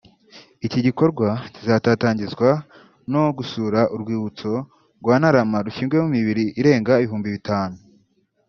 Iki gikorwa kizatatangizwa no gusura urwibutso rwa Ntarama rushyinguyemo imibiri irenga ibihumbi bitanu